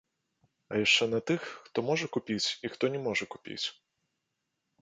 А яшчэ на тых, хто можа купіць і хто не можа купіць.